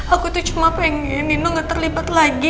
aku tuh cuma pengen minum gak terlibat lagi